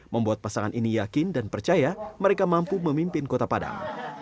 membuat pasangan ini yakin dan percaya mereka mampu memimpin kota padang